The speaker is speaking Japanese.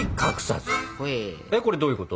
これどういうこと？